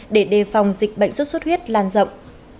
để đề phòng dịch bệnh xuất xuất huyết lan rộng